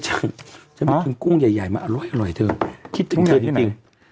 ฉันฉันไปกินกุ้งใหญ่มาอร่อยเธอคิดถึงเธอจริง